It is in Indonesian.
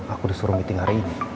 aku disuruh meeting hari ini